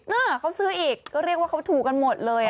น่ะเขาซื้ออีกก็เรียกว่าเขาถูกกันหมดเลย